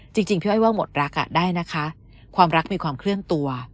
จริงพี่อ้อยว่าหมดรักได้นะคะความรักมีความเคลื่อนตัว